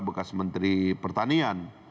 bekas menteri pertanian